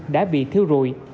đã bị thiêu rùi